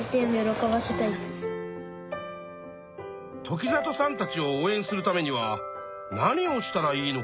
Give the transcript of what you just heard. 時里さんたちを応えんするためには何をしたらいいのかなあ？